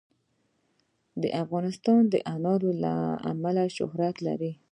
افغانستان د انار له امله شهرت لري.